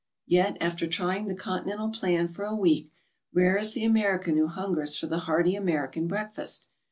Yet, after trying the Continental plan for a week, rare is the American who hungers for the hearty American breakfast.